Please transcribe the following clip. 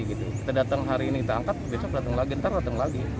kita datang hari ini kita angkat besok datang lagi ntar datang lagi